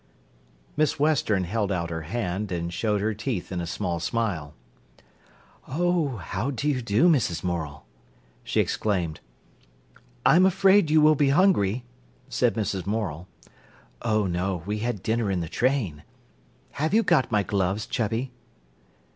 Miss Western held out her hand and showed her teeth in a small smile. "Oh, how do you do, Mrs. Morel!" she exclaimed. "I am afraid you will be hungry," said Mrs. Morel. "Oh no, we had dinner in the train. Have you got my gloves, Chubby?"